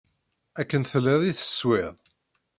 Akken telliḍ i teswiḍ.